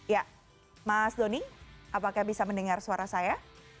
ya mas doni apakah bisa mendengar suara saya